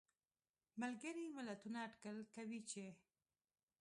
ملګري ملتونه اټکل کوي چې